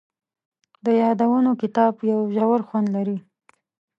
د یادونو کتاب یو ژور خوند لري.